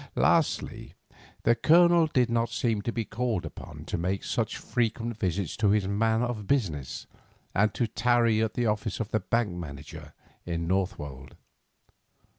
Lastly, the Colonel did not seem to be called upon to make such frequent visits to his man of business, and to tarry at the office of the bank manager in Northwold.